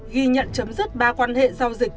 ghi nhận chấm dứt ba quan hệ giao dịch